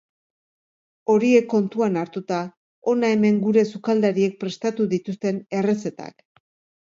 Horiek kontuan hartuta, hona hemen gure sukaldariek prestatu dituzten errezetak.